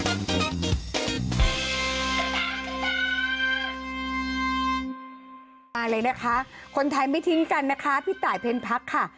โอเคมาเลยนะคะคนไทยไม่ทิ้งกันนะคะพี่ต่ายเพลพรรคค่ะ